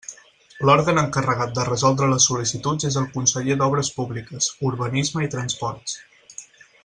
L'òrgan encarregat de resoldre les sol·licituds és el conseller d'Obres Públiques, Urbanisme i Transports.